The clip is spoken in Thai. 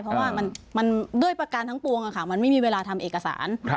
เพราะว่ามันด้วยประการทั้งปวงมันไม่มีเวลาทำเอกสาร